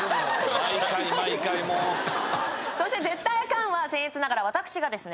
毎回毎回もうそして絶対アカンはせん越ながら私がですね